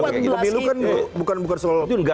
pemilu kan bukan soal peranan